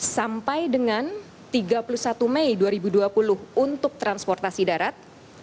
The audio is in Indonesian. sampai dengan tiga puluh satu mei dua ribu dua puluh untuk transportasi darat